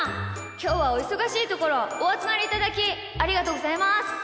きょうはおいそがしいところおあつまりいただきありがとうございます。